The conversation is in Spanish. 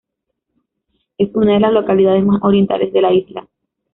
Es una de las localidades más orientales de la isla.